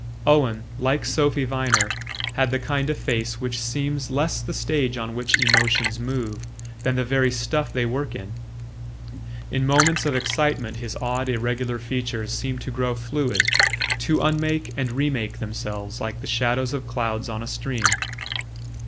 Owen, like Sophy Viner, had the kind of face which seems less the stage on which emotions move than the very stuff they work in. In moments of excitement his odd irregular features seemed to grow fluid, to unmake and remake themselves like the shadows of clouds on a stream.